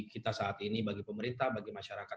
kita saat ini bagi pemerintah bagi masyarakat